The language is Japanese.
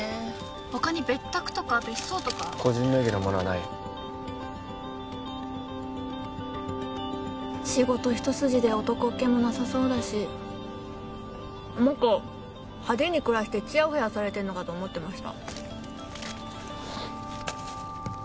他に別宅とか別荘とか個人名義のものはない仕事一筋で男っ気もなさそうだしもっと派手に暮らしてチヤホヤされてんのかと思ってました